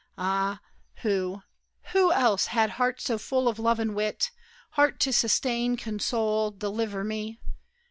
Ah, who, Who else had heart so full of love and wit, Heart to sustain, console, deliver me?